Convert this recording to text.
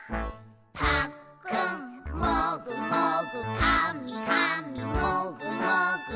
「ぱっくんもぐもぐ」「かみかみもぐもぐ」